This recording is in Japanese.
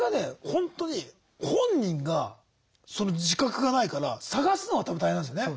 ホントに本人がその自覚がないから探すのが多分大変なんですよね。